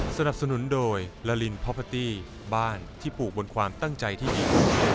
สนับสนุนโดยลาลินพอพาตี้บ้านที่ปลูกบนความตั้งใจที่ดี